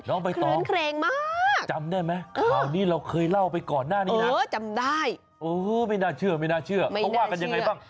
น้องใบตองจำได้ไหมข่าวนี้เราเคยเล่าไปก่อนหน้านี้นะไม่น่าเชื่อต้องว่ากันยังไงบ้าง